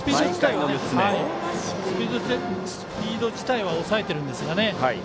スピード自体は抑えてるんですがね。